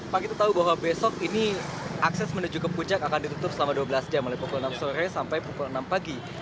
pak kita tahu bahwa besok ini akses menuju ke puncak akan ditutup selama dua belas jam mulai pukul enam sore sampai pukul enam pagi